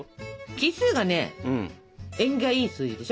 奇数がね縁起がいい数字でしょ？